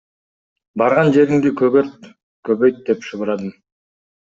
Барган жериңди көгөрт, көбөйт деп шыбырадым.